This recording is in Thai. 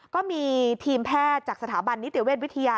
ก็มีทีมแพทย์จากสถาบันนิติเวชวิทยา